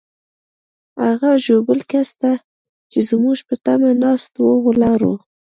هغه ژوبل کس ته چې زموږ په تمه ناست وو، ولاړو.